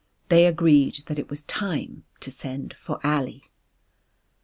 They agreed that it was time to send for Ali.